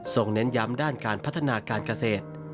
เน้นย้ำด้านการพัฒนาการเกษตร